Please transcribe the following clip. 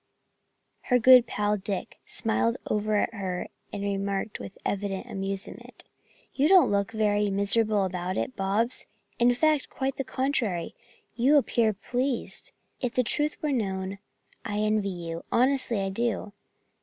Her good pal, Dick, smiled over at her as he remarked with evident amusement: "You don't look very miserable about it, Bobs. In fact, quite the contrary, you appear pleased. If the truth were known, I envy you, honestly I do!